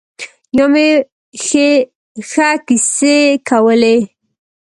نیا مې ښه کیسې کولې.